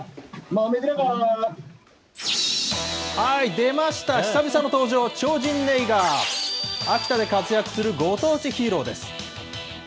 出ました、久々の登場、超神ネイガー、秋田で活躍するご当地ヒーローです。